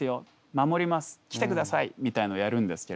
守ります来てくださいみたいなのをやるんですけれども。